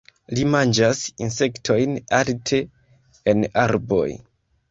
Ii manĝas insektojn alte en arboj.